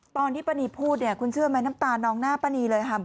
ป้านีพูดเนี่ยคุณเชื่อไหมน้ำตานองหน้าป้านีเลยค่ะ